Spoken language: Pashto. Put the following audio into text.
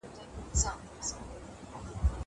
زه له سهاره کتابونه وړم.